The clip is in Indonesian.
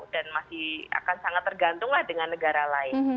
dan masih akan sangat tergantung lah dengan negara lain